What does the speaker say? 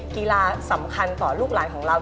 กีฬาสำคัญต่อลูกหลานของเรา